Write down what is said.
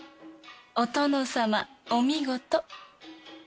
お殿様お見事。